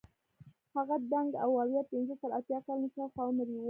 هغه دنګ او اویا پنځه تر اتیا کلونو شاوخوا عمر یې وو.